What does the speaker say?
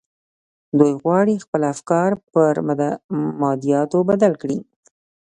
دوی غواړي خپل افکار پر مادياتو بدل کړي.